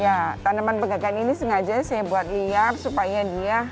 ya tanaman pegangan ini sengaja saya buat liap supaya dia